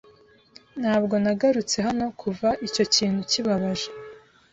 Ntabwo nagarutse hano kuva icyo kintu kibabaje.